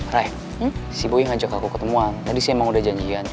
ray si boy yang ajak aku ketemuan tadi sih emang udah janjian